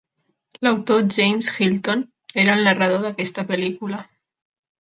L'autor James Hilton era el narrador d'aquesta pel·lícula.